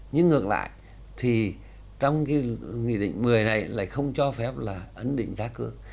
nhưng ngược lại thì trong cái nghị định một mươi này lại không cho phép là ấn định giá cước